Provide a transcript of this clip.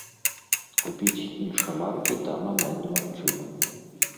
Купіць іншамаркі там амаль немагчыма.